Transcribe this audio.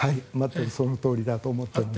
そのとおりだと思っております。